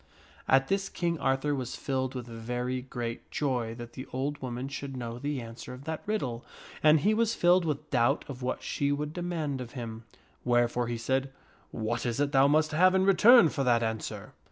At this King Arthur was filled with very great joy that the old woman should know the answer to that riddle, and he was filled with doubt of what she would demand of him, wherefore he said, " What is it thou must have in return for that answer?